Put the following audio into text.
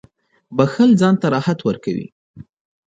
• بښل ځان ته راحت ورکوي.